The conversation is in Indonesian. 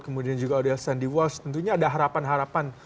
kemudian juga odele sandiwals tentunya ada harapan harapan